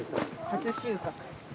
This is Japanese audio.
初収穫。